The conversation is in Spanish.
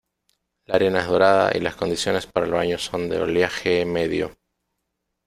La arena es dorada y las condiciones para el baño son de oleaje medio.